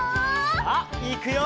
さあいくよ！